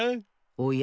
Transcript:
おや？